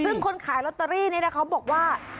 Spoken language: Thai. ซึ่งคนขายลอตเตอรี่นี่นะเขาบอกว่า